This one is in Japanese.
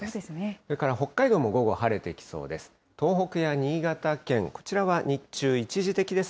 それから北海道も午後晴れてきそうです。